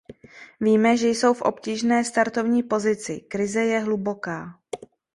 Víme, že jsme v obtížné startovní pozici; krize je hluboká.